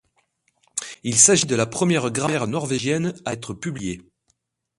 Il s'agit de la première grammaire norvégienne à être publiée.